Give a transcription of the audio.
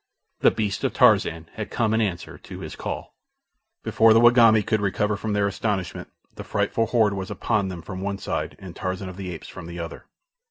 The beasts of Tarzan had come in answer to his call. Before the Wagambi could recover from their astonishment the frightful horde was upon them from one side and Tarzan of the Apes from the other.